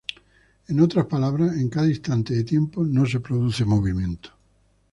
En otras palabras, en cada instante de tiempo no se produce movimiento.